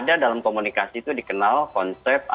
ada dalam komunikasi itu dikenal konsep apa namanya